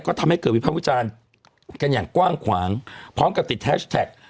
ก็ทำให้เกิดวิภาควิจารณ์กันอย่างกว้างขวางพร้อมกับติดแฮชแท็ก